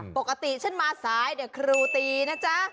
ปกติฉันมาซ้ายเดี๋ยวครูตีนะจ๊ะ